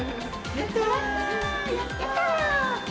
やったー！